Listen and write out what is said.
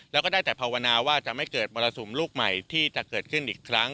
แล้วก็ได้แต่ภาวนาว่าจะไม่เกิดมรสุมลูกใหม่ที่จะเกิดขึ้นอีกครั้ง